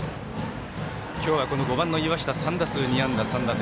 今日は５番の岩下３打数３安打２打点。